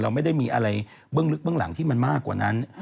ไม่ได้มีอะไรเบื้องลึกเบื้องหลังที่มันมากกว่านั้น